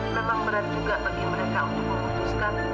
memang berat juga bagi mereka untuk memutuskan